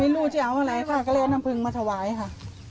ไม่รู้จะเอาอะไรค่ะก็เลยเอาน้ำพึงมาถวายค่ะ